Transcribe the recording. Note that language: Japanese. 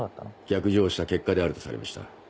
逆上した結果であるとされました。